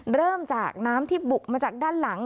เริ่มจากน้ำที่บุกมาจากด้านหลัง